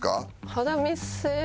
肌見せ。